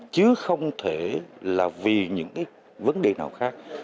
chứ không thể là vì những cái vấn đề nào khác